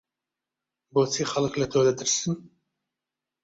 بۆچی خەڵک لە تۆ دەترسن؟